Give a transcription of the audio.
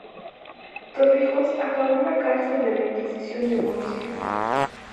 Torrijos acabó en la cárcel de la Inquisición de Murcia.